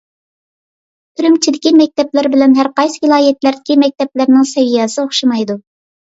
ئۈرۈمچىدىكى مەكتەپلەر بىلەن ھەر قايسى ۋىلايەتلەردىكى مەكتەپلەرنىڭ سەۋىيەسى ئوخشىمايدۇ.